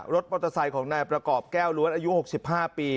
รถมอเตอร์ไซค์ของนายประกอบแก้วล้วนอายุ๖๕ปี